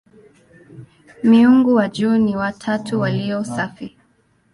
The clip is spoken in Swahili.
Miungu wa juu ni "watatu walio safi".